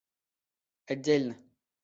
отдельно